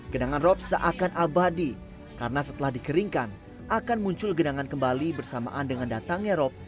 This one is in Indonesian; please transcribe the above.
genangan rop seakan abadi karena setelah dikeringkan akan muncul genangan kembali bersamaan dengan datangnya rob